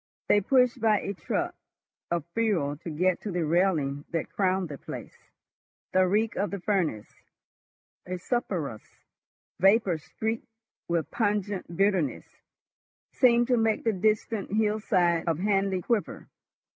They pushed by a truck of fuel to get to the railing that crowned the place. The reek of the furnace, a sulphurous vapor streaked with pungent bitterness, seemed to make the distant hillside of Hanley quiver.